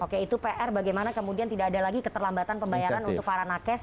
oke itu pr bagaimana kemudian tidak ada lagi keterlambatan pembayaran untuk para nakes